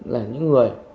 là những người